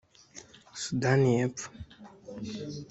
Sudani y’Epfo